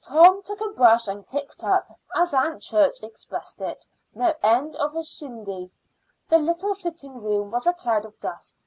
Tom took a brush and kicked up, as Aunt Church expressed it, no end of a shindy. The little sitting room was a cloud of dust.